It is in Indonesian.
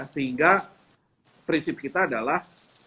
sehingga prinsip kita adalah